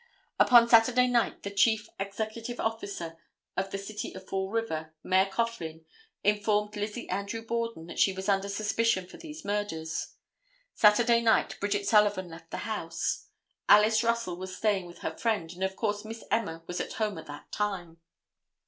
Upon Saturday night the chief executive officer of the city of Fall River, Mayor Coughlin, informed Lizzie Andrew Borden that she was under suspicion for these murders. Saturday night Bridget Sullivan left the house. Alice Russell was staying with her friend, and of course Miss Emma was at home at that time.